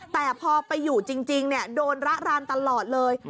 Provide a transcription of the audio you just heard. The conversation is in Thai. แต่พอไปอยู่จริงโดนระรานตลอดเลย